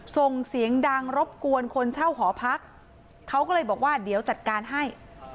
ส่งเสียงดังรบกวนคนเช่าหอพักเขาก็เลยบอกว่าเดี๋ยวจัดการให้